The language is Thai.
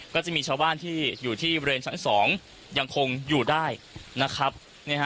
ก็จะมีชาวบ้านที่อยู่ที่เวรชั้นสองยังคงอยู่ได้นะครับเนี่ยฮะ